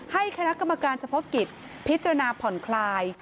ให้คณะกรรมการเฉพาะกิจพิจารณาผ่อนคลาย